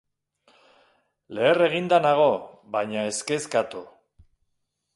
Leher eginda nago, baina ez kez katu.